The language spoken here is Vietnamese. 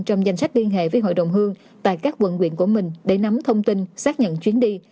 trong danh sách liên hệ với hội đồng hương tại các quận quyện của mình để nắm thông tin xác nhận chuyến đi